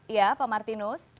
iya pak martinus